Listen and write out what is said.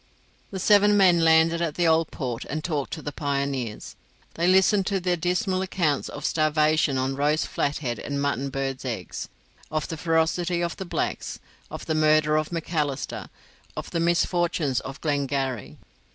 The seven men landed at the Old Port and talked to the pioneers. They listened to their dismal accounts of starvation on roast flathead and mutton birds' eggs, of the ferocity of the blacks, of the murder of Macalister, of the misfortunes of Glengarry.